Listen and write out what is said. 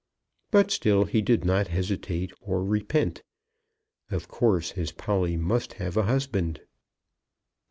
But still he did not hesitate or repent. Of course his Polly must have a husband.